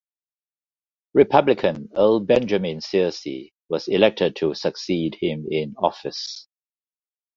Republican Earle Benjamin Searcy was elected to succeed him in office.